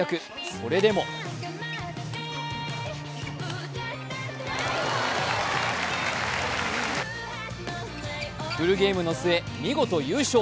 それでもフルゲームの末、見事優勝。